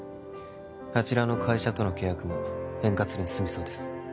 あちらの会社との契約も円滑に進みそうです